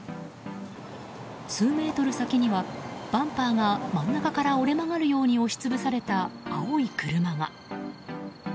数メートル先には、バンパーが真ん中から折れ曲がるように押し潰された青い車が。